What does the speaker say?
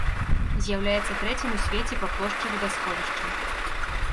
З'яўляецца трэцім ў свеце па плошчы вадасховішчам.